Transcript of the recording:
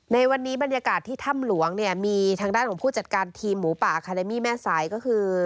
ในวันนี้บรรยากาศที่ถ้ำหลวงเนี่ยมีทางด้านของผู้จัดการทีมหมูป่าอาคาเดมี่แม่สายก็คือ